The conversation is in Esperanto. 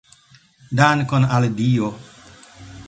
Dankon al Dio!